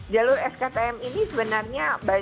jalur sktm ini sebenarnya